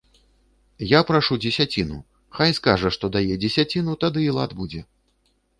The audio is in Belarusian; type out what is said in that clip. Я прашу дзесяціну, хай скажа, што дае дзесяціну, тады і лад будзе.